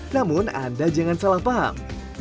namun anda jangan salah paham